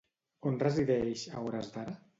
On resideix, a hores d'ara?